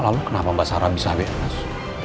lalu kenapa mbak sarah bisa bebas